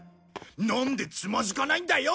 なんでつまずかないんだよ！